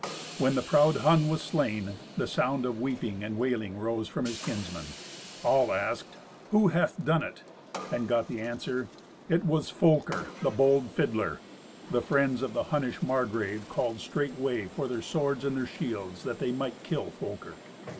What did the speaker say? When the proud Hun was slain, the sound of weeping and wailing rose from his kinsmen. All asked, "Who hath done it?" and got answer, "It was Folker, the bold fiddler." The friends of the Hunnish Margrave called straightway for their swords and their shields, that they might kill Folker.